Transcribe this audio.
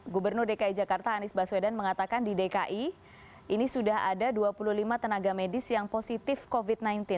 gubernur dki jakarta anies baswedan mengatakan di dki ini sudah ada dua puluh lima tenaga medis yang positif covid sembilan belas